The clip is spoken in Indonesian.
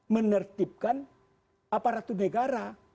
menertibkan aparatu negara